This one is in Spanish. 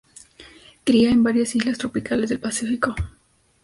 Cría en varias islas tropicales del Pacífico.